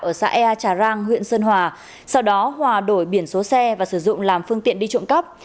ở xã ea trà rang huyện sơn hòa sau đó hòa đổi biển số xe và sử dụng làm phương tiện đi trộm cắp